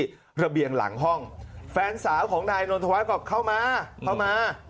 อยู่ที่ระเบียงหลังห้องแฟนสาวของนายนทวรรษเข้ามาเข้ามา